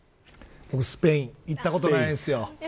スペイン行ったことないんですよ。